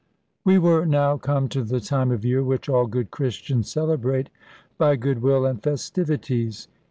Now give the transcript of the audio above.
We were now come to the time of year which all good Christians celebrate by goodwill and festivities.